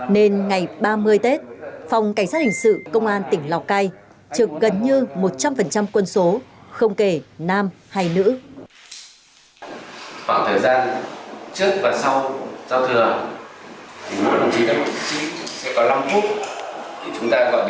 nên ngày ba mươi tết phòng cảnh sát hình sự công an tỉnh lào cai trực gần như một trăm linh quân số không kể nam hay nữ